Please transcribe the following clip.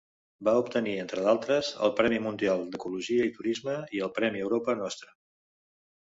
Va obtenir, entre d'altres, el Premi Mundial d'Ecologia i Turisme i el Premi Europa Nostra.